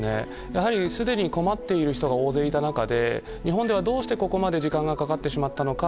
やはりすでに困っている人が大勢いた中で日本ではどうしてここまで時間がかかってしまったのか。